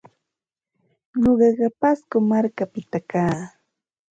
Nuqaqa Pasco markapita kaa.